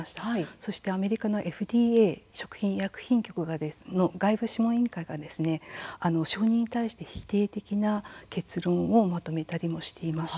そしてアメリカのＦＤＡ食品医薬局の外部諮問委員会が承認に対して否定的な結論をまとめたりもしています。